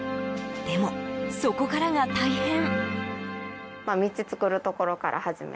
でも、そこからが大変。